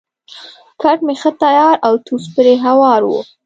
کټ مې ښه تیار او توس پرې هوار وو.